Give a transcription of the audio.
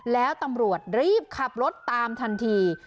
แล้วตำรวจรีบขับรถตามทันที